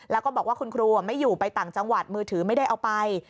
แล้วก็บอกว่าคุณครูไม่อยู่ไปต่างจังหวัดมือถือไม่ได้เอาไป